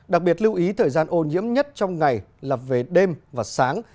đặc biệt lưu ý thời gian ô nhiễm nhất trong ngày là về đêm và sáng